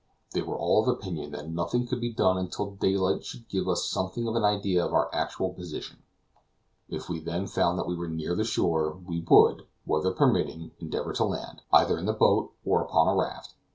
They were all of opinion that nothing could be done until daylight should give us something of an idea of our actual position. If we then found that we were near the shore, we would, weather permitting, endeavor to land, either in the boat or upon a raft.